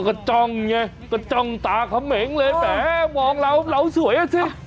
ก็จ้องไงก็จ้องตาเขมงเลยแหมมองเราเราสวยอ่ะสิ